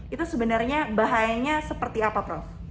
itu sebenarnya bahayanya seperti apa prof